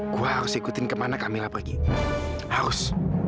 gua harus ikutin kemana kamila pergi harus